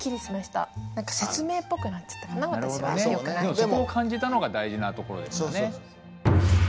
でもそこを感じたのが大事なところですよね。